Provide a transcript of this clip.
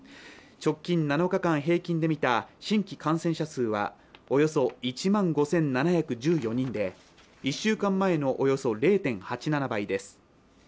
直近７日間平均で見た新規感染者数はおよそ１万５７１４人で１週間前のおよそ０．８７倍です。